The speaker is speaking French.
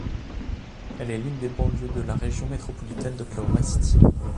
Elle est l'une des banlieues de la région métropolitaine d'Oklahoma City.